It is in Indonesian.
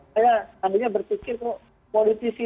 saya tadinya berpikir kok politisi